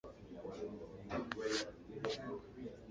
Okulwanyisa ebiwuka, endwadde n’omuddo, ng’okozesa obutonde.